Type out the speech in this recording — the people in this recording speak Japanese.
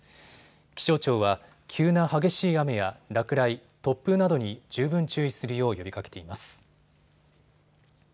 気象庁は急な激しい雨や落雷、突風などに十分注意するよう呼びかけています。